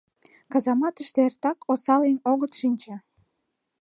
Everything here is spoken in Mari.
Казаматыште эртак осал еҥ огыт шинче...